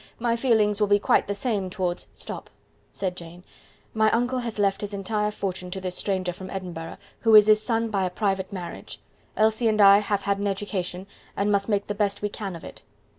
My feelings will be quite the same towards " "Stop," said Jane; "my uncle has left his entire fortune to this stranger from Edinburgh, who is his son by a private marriage. Elsie and I have had an education, and must make the best we can of it."